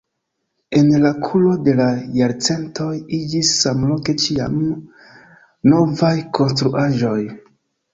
En la kuro de la jarcentoj iĝis samloke ĉiam novaj konstruaĵoj.